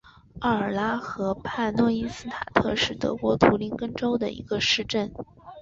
奥尔拉河畔诺伊斯塔特是德国图林根州的一个市镇。